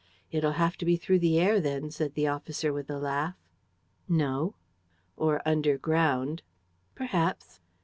"It'll have to be through the air then," said the officer, with a laugh. "No." "Or underground." "Perhaps."